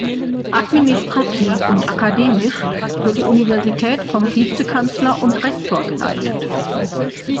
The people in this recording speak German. Administrativ und akademisch wird die Universität vom Vize-Kanzler und Rektor geleitet.